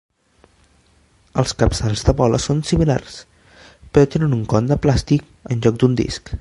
Els capçals de boles són similars, però tenen un con de plàstic en lloc d'un disc.